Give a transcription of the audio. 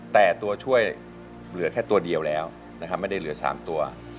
แต่ตัวช่วยเหลือแค่ตัวเดียวแล้วนะครับไม่ได้เหลือ๓ตัว